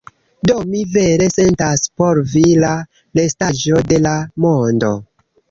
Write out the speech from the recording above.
Do mi vere sentas por vi, la restaĵo de la mondo.